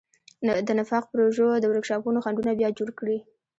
د نفاق پروژو د ورکشاپونو خنډونه بیا جوړ کړي.